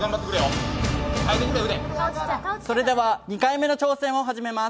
それでは、２回目の挑戦を始めます。